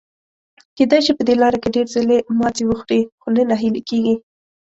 کېدای شي په دې لاره کې ډېر ځلي ماتې وخوري، خو نه ناهیلي کیږي.